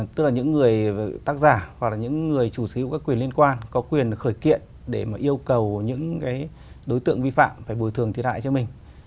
tức là những người tác giả hoặc là những người chủ sở hữu các quyền liên quan có quyền khởi kiện để mà yêu cầu những đối tượng vi phạm phải bồi thường thiệt hại cho mình